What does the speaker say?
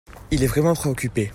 Il est vraiment préoccupé.